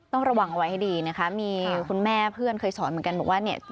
ต้องระวังเอาไว้ให้ดีนะคะมีคุณแม่เพื่อนเคยสอนเหมือนกันบอกว่าเนี่ย